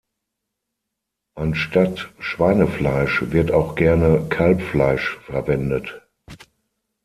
Anstatt Schweinefleisch wird auch gerne Kalbfleisch verwendet.